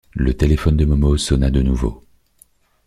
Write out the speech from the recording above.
Le téléphone de Momo sonna de nouveau.